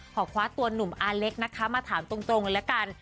ขอคว้าตัวหนุ่มอาเล็กนะคะมาถามตรงเลยละกัน